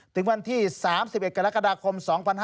ถึงวันที่๓๑กรกฎาคม๒๕๕๙